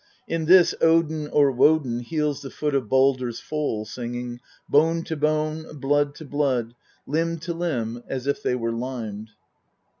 In this Odin or Wodan heals the foot of Baldr's foal, singing : Bone to bone, blood to blood, limb to limb as if they were limed.